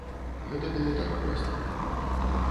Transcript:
Гэта было так проста.